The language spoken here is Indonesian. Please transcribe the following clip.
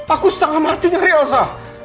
aku setengah mati nyari elsa